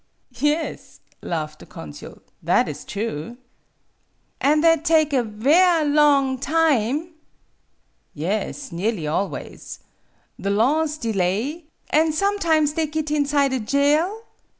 Yes, " laughed the consul ;'' that is true. "" An* that take a ver' long time ?" "Yes; nearly always. The law's de lay "" An' sometimes they git inside a jail